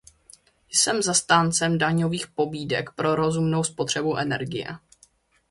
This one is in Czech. Jsem zastáncem daňových pobídek pro rozumnou spotřebu energie.